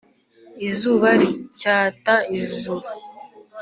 Izuba ricyata ijuru